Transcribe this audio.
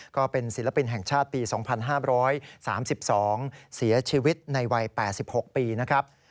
ก็เป็นศิลปินแห่งชาติปี๒๕๓๒เสียชีวิตในวัย๘๖ปีนะครับ